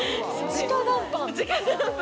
直談判！